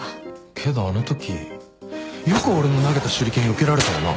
けどあのときよく俺の投げた手裏剣よけられたよな。